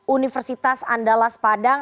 universitas andalas padang